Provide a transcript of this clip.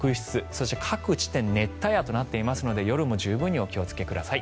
そして各地点熱帯夜となっていますので夜も十分にお気をつけください。